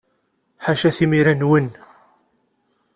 Ḥaca timira-nwen!